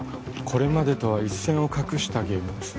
これまでとは一線を画したゲームです